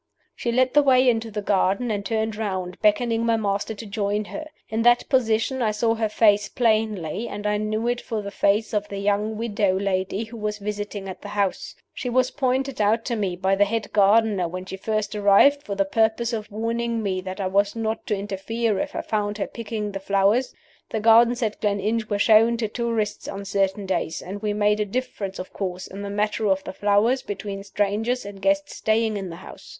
"She led the way into the garden, and turned round, beckoning my master to join her. In that position I saw her face plainly, and I knew it for the face of the young widow lady who was visiting at the house. She was pointed out to me by the head gardener when she first arrived, for the purpose of warning me that I was not to interfere if I found her picking the flowers. The gardens at Gleninch were shown to tourists on certain days, and we made a difference, of course, in the matter of the flowers between strangers and guests staying in the house.